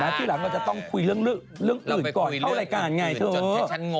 เห็นไหมที่หลังเราจะต้องคุยเรื่องอื่นก่อนเข้ารายการไงถือหลัง